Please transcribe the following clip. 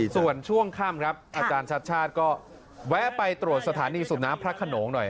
ส่วนช่วงค่ำครับอาจารย์ชัดชาติก็แวะไปตรวจสถานีสูบน้ำพระขนงหน่อย